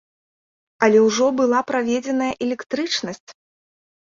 Але ўжо была праведзеная электрычнасць!